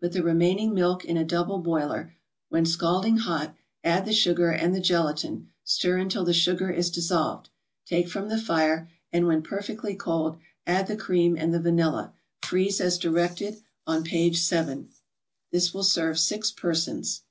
Put the remaining milk in a double boiler; when scalding hot, add the sugar and the gelatin; stir until the sugar is dissolved, take from the fire, and, when perfectly cold, add the cream and the vanilla. Freeze as directed on page 7. This will serve six persons.